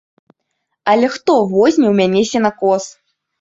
Але хто возьме ў мяне сенакос?